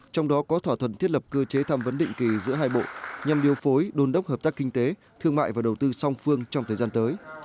trong đó có thỏa thuận thiết lập cơ chế tham vấn định kỳ giữa hai bộ nhằm điều phối đôn đốc hợp tác kinh tế thương mại và đầu tư song phương trong thời gian tới